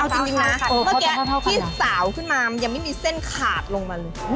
เอาจริงนะเมื่อกี้ที่สาวขึ้นมามันยังไม่มีเส้นขาดลงมาเลย